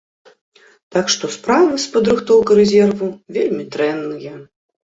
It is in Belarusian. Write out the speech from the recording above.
Так што справы з падрыхтоўкай рэзерву вельмі дрэнныя.